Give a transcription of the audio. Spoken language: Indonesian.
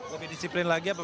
lebih disiplin lagi apa